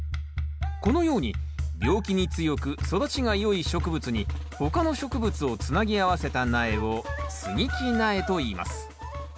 このように病気に強く育ちがよい植物に他の植物をつなぎ合わせた苗を接ぎ木苗といいます。